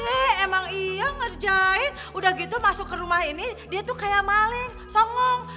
eh emang iya ngerjain udah gitu masuk ke rumah ini dia tuh kayak maling songong